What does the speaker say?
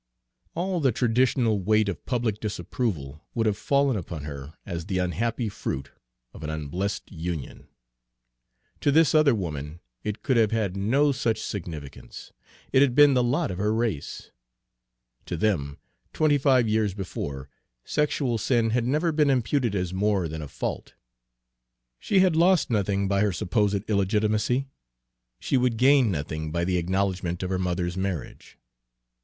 All the traditional weight of public disapproval would have fallen upon her as the unhappy fruit of an unblessed union. To this other woman it could have had no such significance, it had been the lot of her race. To them, twenty five years before, sexual sin had never been imputed as more than a fault. She had lost nothing by her supposed illegitimacy; she would gain nothing by the acknowledgment of her mother's marriage.